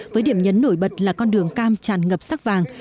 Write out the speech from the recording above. với điểm nhấn nổi bật là con đường cam tràn ngập sắc vàng